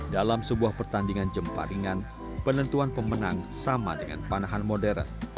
dalam sebuah pertandingan jemparingan penentuan pemenang sama dengan panahan modern